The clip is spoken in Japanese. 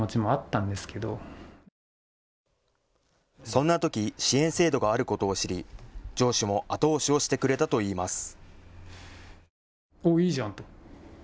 そんなとき支援制度があることを知り、上司も後押しをしてくれたといいます。